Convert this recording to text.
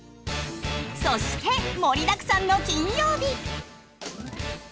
そして盛りだくさんの金曜日。